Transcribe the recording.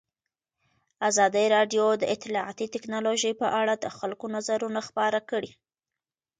ازادي راډیو د اطلاعاتی تکنالوژي په اړه د خلکو نظرونه خپاره کړي.